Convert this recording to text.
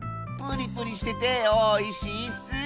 ぷりぷりしてておいしいッス。